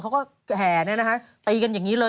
เขาก็แห่เนี่ยนะฮะตีกันอย่างนี้เลย